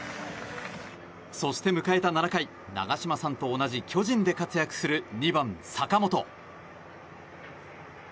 そして迎えた７回長嶋さんと同じ巨人で活躍する２番、坂本。